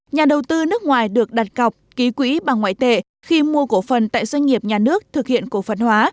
nhà đầu tư nước ngoài được đặt cọc ký quỹ bằng ngoại tệ khi mua cổ phần tại doanh nghiệp nhà nước thực hiện cổ phần hóa